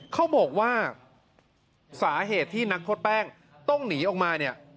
เขาบอกว่าสาเหตุที่นักโทษแป้งต้องหนีออกมาเนี่ย